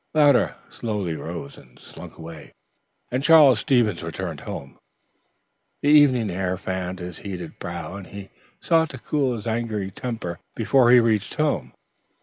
Louder slowly rose and slunk away, and Charles Stevens returned home. The evening air fanned his heated brow, and he sought to cool his angry temper before he reached home.